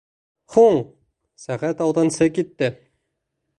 Һуң, сәғәт алтынсы китте.